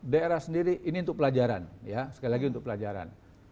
daerah sendiri ini untuk pelajaran ya sekali lagi untuk pelajaran